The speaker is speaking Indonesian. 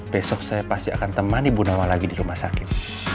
besok saya pasti akan temani bu nawang lagi di rumah sakit